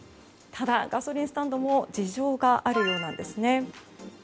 ただ、ガソリンスタンドも事情があるようなんです。